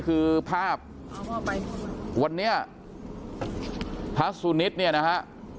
คือเราจะขับไปหาพระสุนิทรถกระบะคันนี้นี่คือรถพระสุนิทหรือเปล่า